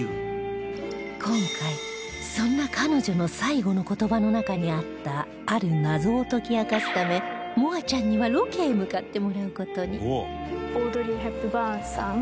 今回そんな彼女の最期の言葉の中にあったある謎を解き明かすため望亜ちゃんにはロケへ向かってもらう事に